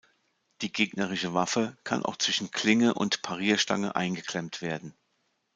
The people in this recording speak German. Die gegnerische Waffe kann auch zwischen Klinge und Parierstange eingeklemmt werden.